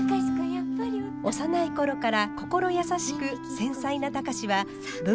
幼い頃から心優しく繊細な貴司は文学青年。